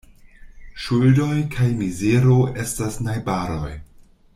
Ŝuldoj kaj mizero estas najbaroj.